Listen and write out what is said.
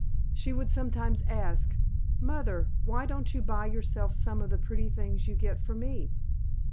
She would sometimes ask, "Mother, why don't you buy yourself some of the pretty things you get for me?"